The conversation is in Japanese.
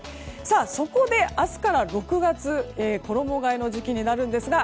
そこで、明日から６月衣替えの時期になるんですが